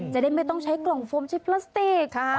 จะได้ไม่ต้องใช้กล่องโฟมใช้พลาสติก